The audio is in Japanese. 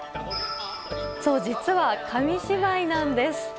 そう、実は紙芝居なんです。